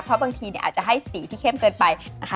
เพราะบางทีอาจจะให้สีที่เข้มเกินไปนะคะ